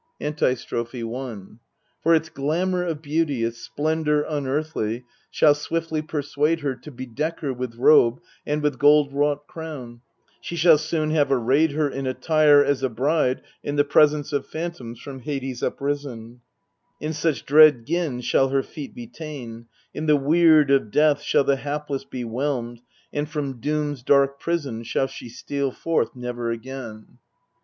Antistrophc i For its glamour of beauty, its splendour unearthly, shall swiftly persuade her To bedeck her with robe and with gold wrought crown : she shall soon have arrayed her In attire as a bride in the presence of phantoms from I lades uprisen ; In such dread gin shall her feet be ta'en : In the weird of death shall the hapless be whelmed, and from doom's dark prison Shall she steal forth never again.